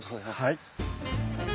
はい。